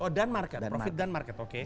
oh dan market profit dan market oke